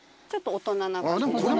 ちょっと大人な。